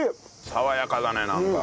爽やかだねなんか。